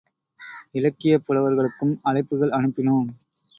இலக்கியப் புலவர்களுக்கும் அழைப்புகள் அனுப்பினோம்.